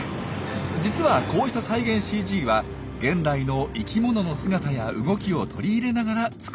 実はこうした再現ＣＧは現代の生きものの姿や動きを取り入れながら作られています。